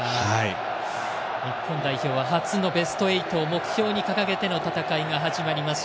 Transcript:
日本代表は初のベスト８を目標に掲げての戦いが始まります。